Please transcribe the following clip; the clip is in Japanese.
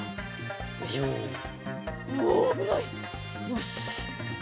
よし。